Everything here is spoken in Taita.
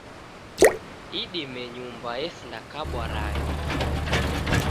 Idime nyumba esinda kabwa rangi